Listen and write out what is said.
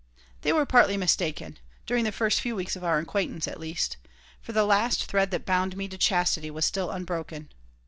They were partly mistaken, during the first few weeks of our acquaintance, at least. For the last thread that bound me to chastity was still unbroken.